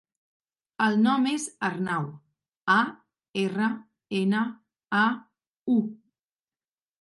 El nom és Arnau: a, erra, ena, a, u.